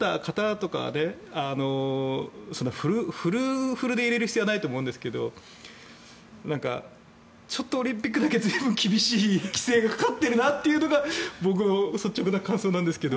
そんなにフルフルで入れる必要はないと思うんですがちょっとオリンピックだけ随分厳しい規制がかかっているなというのが僕の率直な感想なんですけど。